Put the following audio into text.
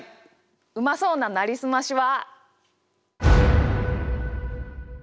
うまそうな「なりすまし」は。